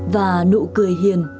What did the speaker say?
và nụ cười hiền